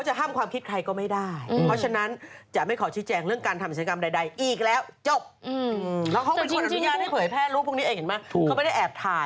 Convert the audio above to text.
ฉันกอดตลอดฉันต้องแบบเป็นเทราปิสสของฉันที่แบบว่า